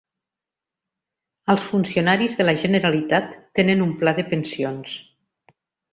Els funcionaris de la Generalitat tenen un pla de pensions.